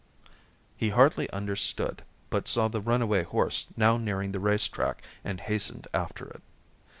He hardly understood, but saw the runaway horse now nearing the race track and hastened after it.